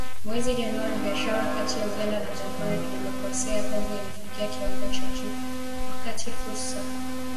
Mwezi Januari, biashara kati ya Uganda na Jamhuri ya Kidemokrasia ya Kongo ilifikia kiwango cha juu, wakati fursa mpya za masoko zilipofunguka kwa bidhaa za Kampala